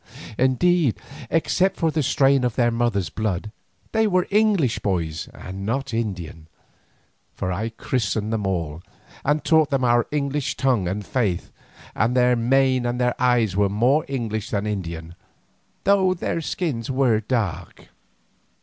Indeed, except for the strain of their mother's blood, they were English boys and not Indian, for I christened them all, and taught them our English tongue and faith, and their mien and eyes were more English than Indian, though their skins were dark.